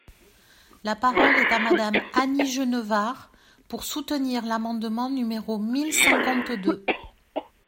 La parole est à Madame Annie Genevard, pour soutenir l’amendement numéro mille cinquante-deux.